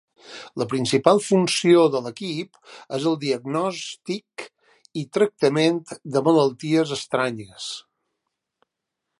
La principal funció de l'equip és el diagnòstic i tractament de malalties estranyes.